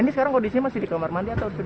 ini sekarang kondisinya masih di kamar mandi atau